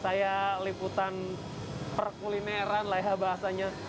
saya liputan perkulineran lah ya bahasanya